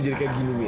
ya allah gimana ini